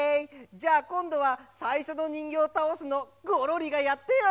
じゃあこんどはさいしょのにんぎょうたおすのゴロリがやってよ！